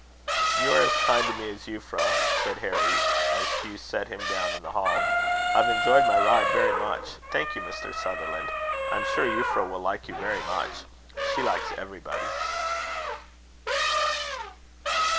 "You are as kind to me as Euphra," said Harry, as Hugh set him down in the hall. "I've enjoyed my ride very much, thank you, Mr. Sutherland. I am sure Euphra will like you very much she likes everybody."